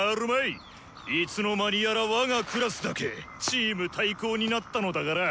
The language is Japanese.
いつの間にやら我がクラスだけチーム対抗になったのだから。